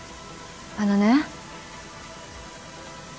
あのね